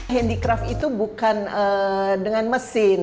handicraft itu bukan dengan mesin